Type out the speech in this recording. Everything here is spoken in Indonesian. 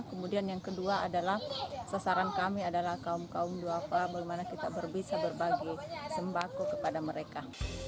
kemudian yang kedua adalah sasaran kami adalah kaum kaum duafa bagaimana kita bisa berbagi sembako kepada mereka